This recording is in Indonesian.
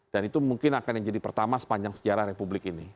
dan itu mungkin akan menjadi pertama sepanjang sejarah republik ini